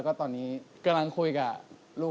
ฟงเหมือนพี่ไหมที่แบบว่า